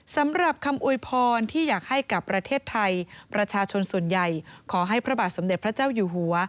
สำหรับคำอวยพรที่อยากให้กับประเทศไทยประชาชนส่วนใหญ่ขอให้พระบาทสมเด็จพระเจ้าอยู่หัว